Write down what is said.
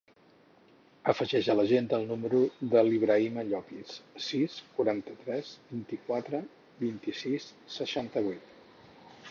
Afegeix a l'agenda el número de l'Ibrahima Llopis: sis, quaranta-tres, vint-i-quatre, vint-i-sis, seixanta-vuit.